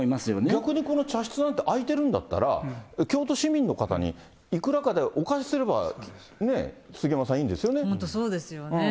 逆にこの茶室なんて、空いてるんだったら、京都市民の方にいくらかでお貸しすれば、ね、杉山さん、いいんで本当、そうですよね。